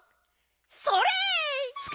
それ！